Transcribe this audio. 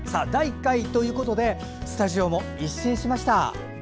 第１回ということでスタジオも一新しました。